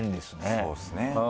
そうですね。